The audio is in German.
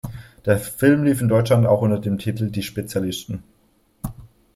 Der Film lief in der Deutschland auch unter dem Titel "Die Spezialisten".